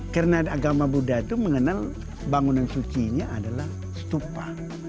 karena agama buddha itu mengenal bangunan sucinya adalah stupa